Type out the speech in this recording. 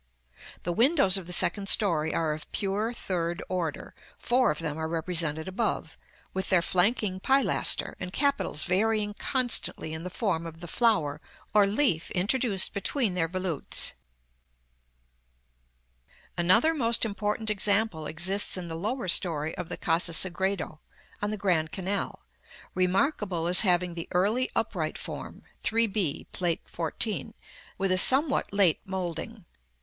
The windows of the second story are of pure third order; four of them are represented above, with their flanking pilaster, and capitals varying constantly in the form of the flower or leaf introduced between their volutes. [Illustration: Fig. XXXI.] § XXXIII. Another most important example exists in the lower story of the Casa Sagredo, on the Grand Canal, remarkable as having the early upright form (3 b, Plate XIV.) with a somewhat late moulding.